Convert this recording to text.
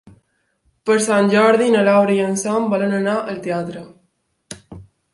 Per Sant Jordi na Laura i en Sam volen anar al teatre.